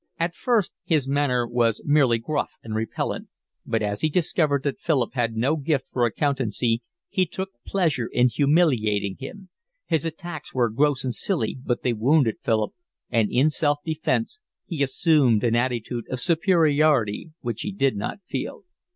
At first his manner was merely gruff and repellent, but as he discovered that Philip had no gift for accountancy he took pleasure in humiliating him; his attacks were gross and silly, but they wounded Philip, and in self defence he assumed an attitude of superiority which he did not feel.